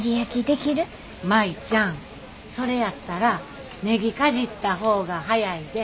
舞ちゃんそれやったらネギかじった方が早いで。